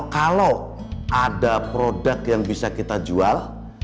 kalau ada produk yang bisa kita jual